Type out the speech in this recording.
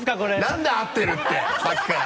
何だよ「合ってる」ってさっきから